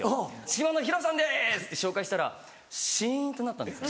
「下野紘さんです！」って紹介したらシンとなったんです。